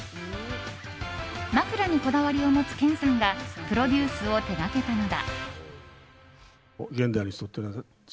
枕にこだわりを持つ健さんがプロデュースを手がけたのだ。